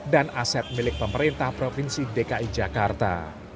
dan aset milik pemerintah provinsi dki jakarta